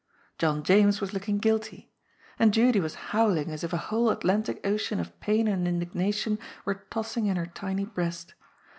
John James was looking guilty. And Judy was howling as if a whole Atlantic Ocean of pain and indigna tion were tossing in her tiny breast.